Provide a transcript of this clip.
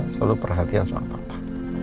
selalu perhatian sama papa